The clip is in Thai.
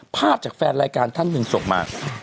ภาพจากแฟนรายการท่านหนึ่งส่งมา